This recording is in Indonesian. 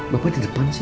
bapaknya di depan sini